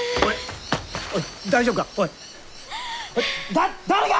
だ誰か！